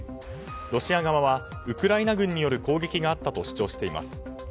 ロシア側はウクライナ軍による攻撃があったと主張しています。